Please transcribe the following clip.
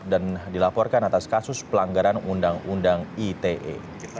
dan dilaporkan atas kasus pelanggaran undang undang ite